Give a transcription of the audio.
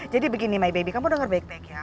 jadi begini my baby kamu denger baik baik ya